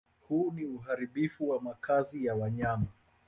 Huu ni uharibifu wa makazi ya wanyama